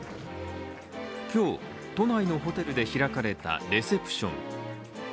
今日、都内のホテルで開かれたレセプション。